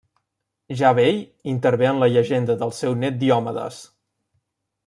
Ja vell, intervé en la llegenda del seu nét Diomedes.